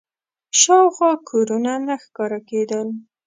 شاوخوا کورونه نه ښکاره کېدل.